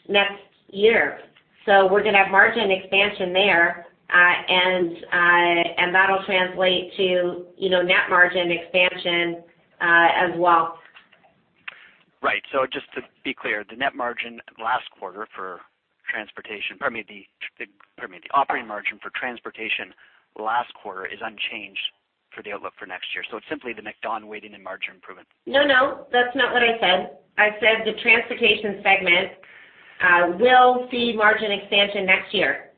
next year. So we're gonna have margin expansion there, and that'll translate to, you know, net margin expansion, as well. Right. So just to be clear, the net margin last quarter for transportation, pardon me, the operating margin for transportation last quarter is unchanged for the outlook for next year. So it's simply the MacDon weighting and margin improvement. No, no, that's not what I said. I said the transportation segment will see margin expansion next year.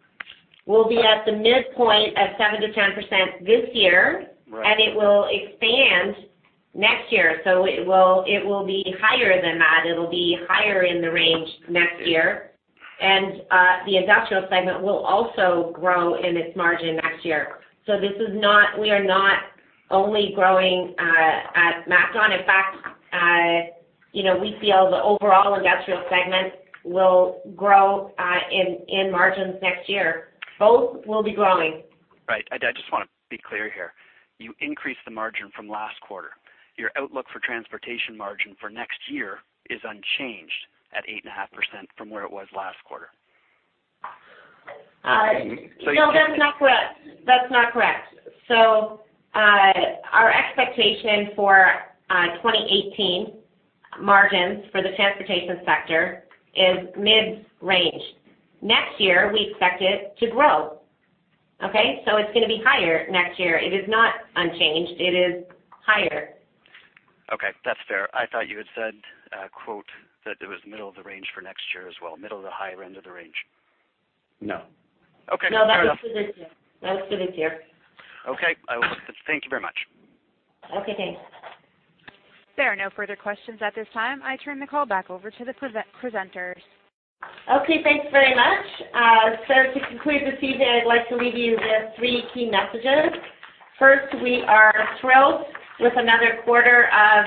We'll be at the midpoint of 7%-10% this year. Right. It will expand next year, so it will, it will be higher than that. It'll be higher in the range next year. Okay. The industrial segment will also grow in its margin next year. So this is not, we are not only growing at MacDon. In fact, you know, we feel the overall industrial segment will grow in margins next year. Both will be growing. Right. I just want to be clear here. You increased the margin from last quarter. Your outlook for transportation margin for next year is unchanged at 8.5% from where it was last quarter. So you. No, that's not correct. That's not correct. So, our expectation for 2018 margins for the transportation sector is mid-range. Next year, we expect it to grow, okay? So it's gonna be higher next year. It is not unchanged. It is higher. Okay, that's fair. I thought you had said, quote, that it was middle of the range for next year as well. Middle of the higher end of the range. No. Okay. No, that's for this year. That's for this year. Okay. Thank you very much. Okay, thanks. There are no further questions at this time. I turn the call back over to the presenters. Okay, thanks very much. So to conclude the call, I'd like to leave you with three key messages. First, we are thrilled with another quarter of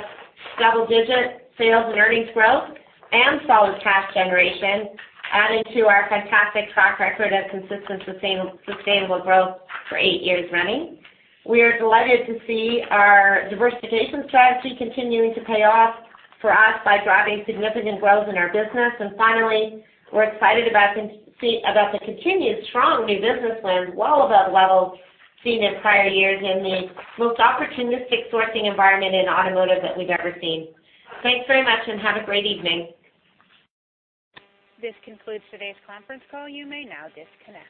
double-digit sales and earnings growth and solid cash generation, adding to our fantastic track record of consistent, sustainable growth for eight years running. We are delighted to see our diversification strategy continuing to pay off for us by driving significant growth in our business. And finally, we're excited about the continued strong new business wins, well above levels seen in prior years in the most opportunistic sourcing environment in automotive that we've ever seen. Thanks very much, and have a great evening. This concludes today's conference call. You may now disconnect.